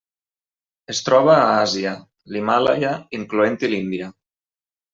Es troba a Àsia: l'Himàlaia, incloent-hi l'Índia.